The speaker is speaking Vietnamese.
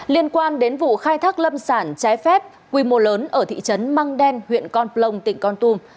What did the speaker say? liên quan đến vụ khai thác lâm sản trái phép quy mô lớn ở thị trấn măng đen huyện con plong tỉnh con tum